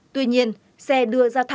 tuy nhiên xe đưa ra thảo